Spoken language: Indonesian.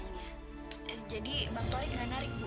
kerikin bapak sekarang